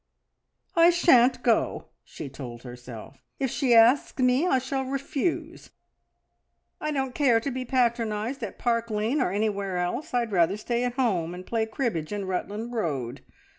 "I shan't go!" she told herself. "If she asks me I shall refuse. I don't care to be patronised at Park Lane or anywhere else. I'd rather stay at home and play cribbage in Rutland Road."